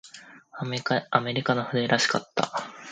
アメリカの船らしかった。